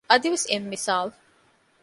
އަދިވެސް އެއް މިސާލު